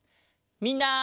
みんな。